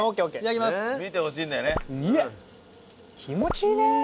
気持ちいいね！